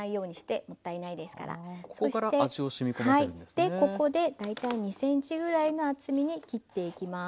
でここで大体２ｃｍぐらいの厚みに切っていきます。